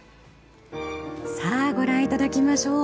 ご覧いただきましょう。